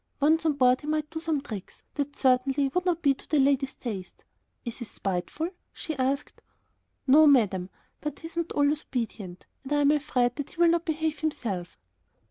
Once on board he might do some tricks that certainly would not be to the lady's taste. "Is he spiteful?" she asked. "No, madam, but he is not always obedient, and I am afraid that he will not behave himself."